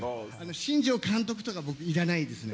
新庄監督とか僕、いらないですね。